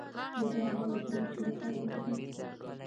دوی دعا کوله چې یو شتمن سړی مړ شي.